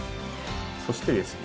そしてですね